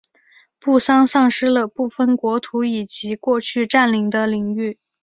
不丹丧失了部分国土以及过去占领的领域。